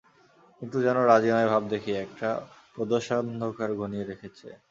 কিন্তু যেন রাজি নয় ভাব দেখিয়ে একটা প্রদোষান্ধকার ঘনিয়ে রেখেছে।